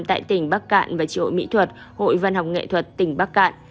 tại tỉnh bắc cạn và tri hội mỹ thuật hội văn học nghệ thuật tỉnh bắc cạn